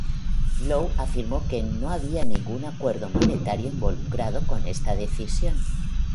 Blow afirmó que no había ningún acuerdo monetario involucrado con esta decisión.